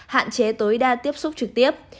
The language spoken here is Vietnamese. hạn chế tối đa tiếp xúc trực tiếp